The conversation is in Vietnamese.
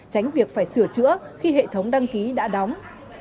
tránh việc phải sửa chữa khi hệ thống đăng ký đã đóng